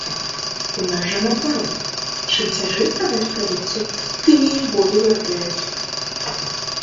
У нас жа наадварот, чым цяжэй прадаць прадукцыю, тым яе болей вырабляюць.